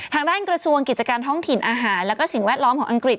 ทางด้านกระทรวงกิจการท้องถิ่นอาหารแล้วก็สิ่งแวดล้อมของอังกฤษ